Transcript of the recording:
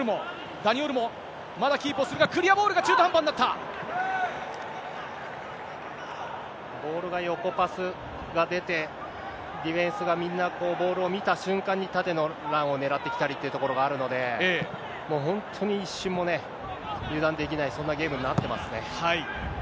ダニ・オルモ、まだキープをするが、クリアボールが中途半端になボールが横パスが出て、ディフェンスがみんなボールを見た瞬間に、縦のランを狙ってきたりっていうところがあるので、本当に一瞬も油断できない、そんなゲームになってますね。